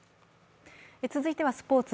続いてはスポーツ。